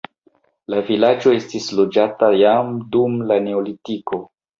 La vilaĝo estis loĝata jam dum la neolitiko.